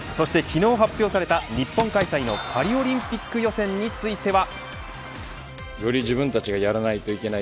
そして昨日発表された日本開催のパリオリンピック予選については。